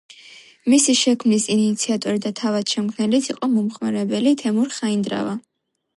მისი შექმნის ინიციატორი და თავად შემქმნელიც იყო მომხმარებელი თემურ ხაინდრავა.